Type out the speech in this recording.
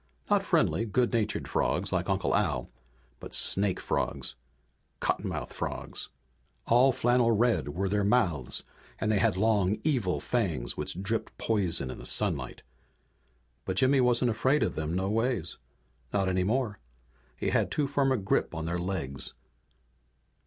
Not friendly, good natured frogs like Uncle Al, but snake frogs. Cottonmouth frogs. All flannel red were their mouths, and they had long evil fangs which dripped poison in the sunlight. But Jimmy wasn't afraid of them no ways. Not any more. He had too firm a grip on their legs.